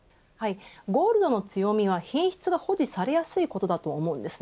ゴールドの強みは品質が保持されやすいことです。